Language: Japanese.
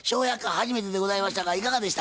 初めてでございましたがいかがでしたか？